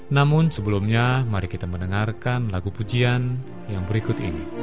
namun sebelumnya mari kita mendengarkan lagu pujian yang berikut ini